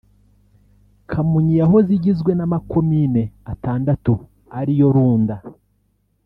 Kamonyi yahoze igizwe n’amakomine atandatu ariyo Runda